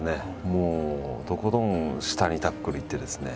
もうとことん下にタックルいってですね